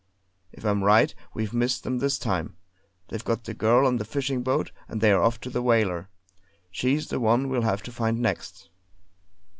If I'm right we've missed them this time. They've got the girl on the fishing boat; and they're off for the whaler. She's the one we'll have to find next!"